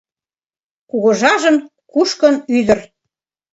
Кугыжажын кушкын ӱдыр